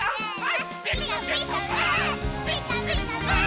「ピカピカブ！ピカピカブ！